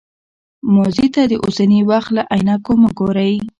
ماضي ته د اوسني وخت له عینکو مه ګورئ.